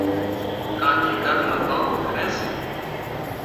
ڪاچي گھر نُون ڪام ڪري سي